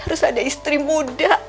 harus ada istri muda